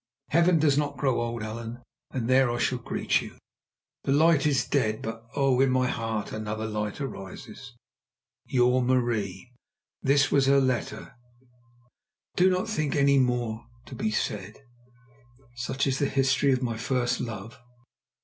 Heaven does not grow old, Allan, and there I shall greet you. "The light is dead, but—oh!—in my heart another light arises! "Your MARIE." This was her letter. I do not think there is anything more to be said. Such is the history of my first love.